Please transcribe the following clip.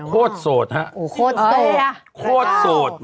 โคตรโสดฮะโคตรโสดโคตรโสด